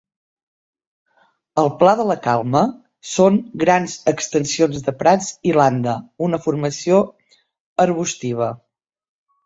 El Pla de la Calma són grans extensions de prats i landa, una formació arbustiva.